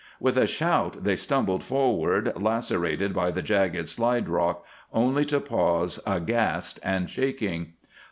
With a shout they stumbled forward, lacerated by the jagged slide rock, only to pause aghast and shaking.